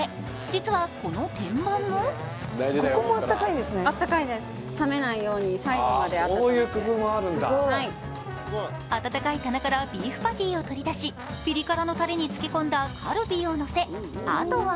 実はこの天板も温かい棚からビーフパティを取り出し、ピリ辛のたれに漬け込んだカルビをのせ、あとは